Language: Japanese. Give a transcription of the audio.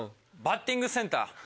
「バッティングセンター」。